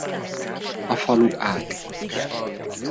A falu ág.